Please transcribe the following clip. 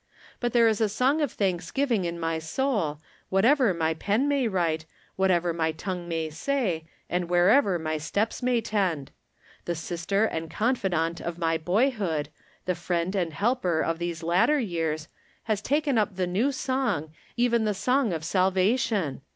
But there is a song of thanksgiving in my soul, what ever my pen may write, whatever my tongue may say, and wherever my steps may tend. The sictcr and confidant of my boyhood, the friend and helper of these later years, has taken up the new song, even the song of salvation